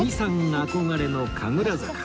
憧れの神楽坂